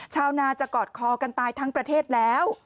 ชาวนาจะกอดคอกันตายทั้งประเทศแล้ว